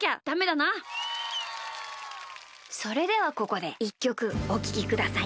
それではここで１きょくおききください。